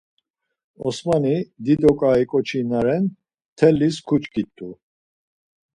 Osmani dido ǩai ǩoçi na ren mtelis kuçkit̆u.